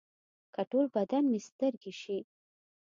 که ټول بدن مې سترګې شي.